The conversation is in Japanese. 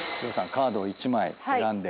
カードを１枚選んで。